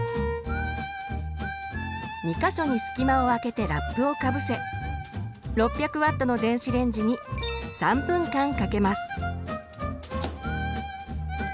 ２か所に隙間をあけてラップをかぶせ６００Ｗの電子レンジに３分間かけます。